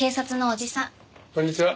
こんにちは。